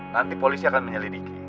nanti polisi akan menyelidiki